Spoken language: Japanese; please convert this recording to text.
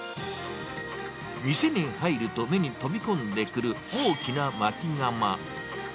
店に入ると目に飛び込んでくる大きなまき窯。